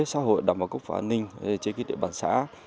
xã hội đồng bào cốc phó an ninh chế ký địa bản xã